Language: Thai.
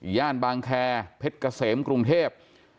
ย่านบางแคร์เพชรเกษมกรุงเทพ